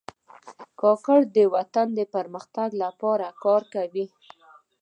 کاکړي د وطن د پرمختګ لپاره کار کوي.